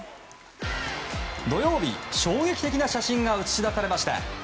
土曜日、衝撃的な写真が映し出されました。